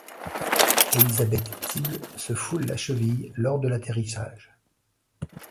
Élisabeth Tible se foule la cheville lors de l'atterrissage.